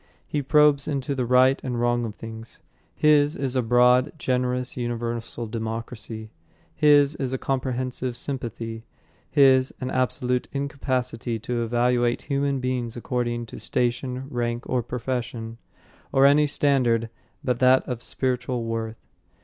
He probes into the right and wrong of things. His is a broad, generous universal democracy, his is a comprehensive sympathy, his an absolute incapacity to evaluate human beings according to station, rank or profession, or any standard but that of spiritual worth.